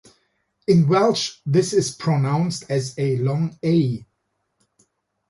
In Welsh this is pronounced as a long A.